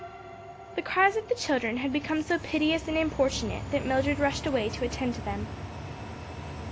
'" The cries of the children had become so piteous and importunate that Mildred rushed away to attend to them.